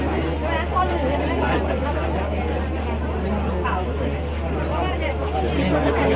เมืองอัศวินธรรมดาคือสถานที่สุดท้ายของเมืองอัศวินธรรมดา